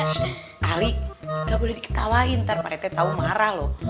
shhh ali gak boleh diketawain ntar parete tau marah loh